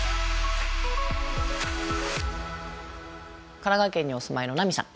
神奈川県にお住まいのなみさん